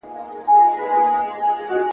د مېوو تازه والی ډېر ګټور دی.